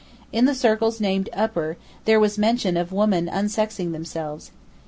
In the circles named 'upper' there was mention of women unsexing themselves.